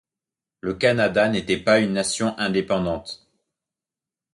Le Canada n'était pas une nation indépendante.